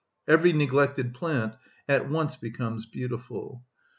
Every neglected plant at once becomes beautiful.